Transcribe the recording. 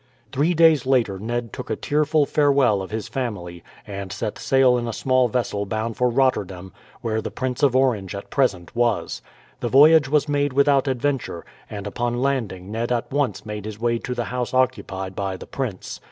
Three days later Ned took a tearful farewell of his family, and set sail in a small vessel bound for Rotterdam, where the Prince of Orange at present was. The voyage was made without adventure, and upon landing Ned at once made his way to the house occupied by the prince.